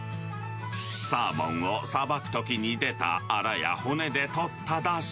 サーモンをさばくときに出たアラや骨でとっただし。